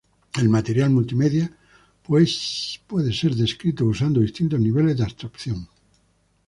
El material multimedia, pues, puede ser descrito usando distintos niveles de abstracción.